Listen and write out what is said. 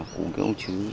của nguyễn công chứ